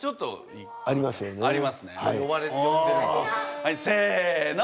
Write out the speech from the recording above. はいせの！